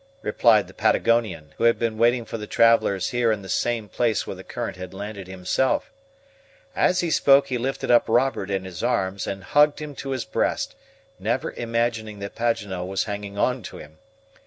replied the Patagonian, who had been waiting for the travelers here in the same place where the current had landed himself. As he spoke he lifted up Robert in his arms, and hugged him to his breast, never imagining that Paganel was hanging on to him.